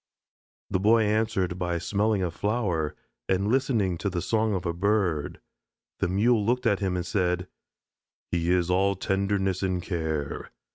The Boy answered by smelling a flower and listening to the song of a bird. The Mule looked at him and said: "He is all tenderness and care.